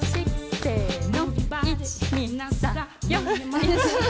せの。